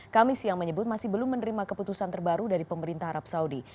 kami siang menyebut masih belum menerima keputusan terbaru dari pemerintah arab saudi